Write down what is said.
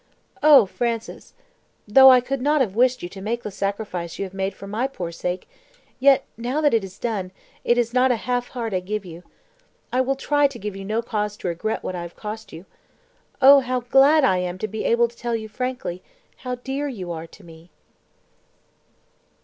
Oh, Francis! though I could not have wished you to make the sacrifices you have made for my poor sake, yet, now that it is done, it is not a half heart I give you. I will try to give you no cause to regret what I have cost you. Oh, how glad I am to be able to tell you frankly how dear you are to me!"